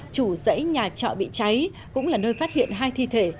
chủ dãy nhà trọ bị cháy cũng là nơi phát hiện hai thi thể